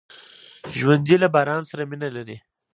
ژوندي له باران سره مینه لري